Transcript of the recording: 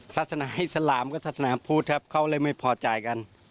ให้สลามกับศาสนาพุทธครับเขาเลยไม่พอใจกัน